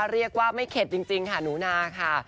เรียกว่าไม่เข็ดจริงค่ะหนูนาค่ะ